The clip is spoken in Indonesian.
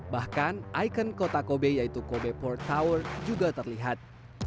bahkan ikon kota kobe yaitu kobe port tower juga terlihat